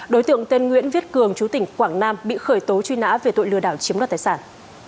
đối tượng tên nguyễn viết cường chú tỉnh quảng nam bị khởi tố truy nã về tội lừa đảo chiếm đoạt tài sản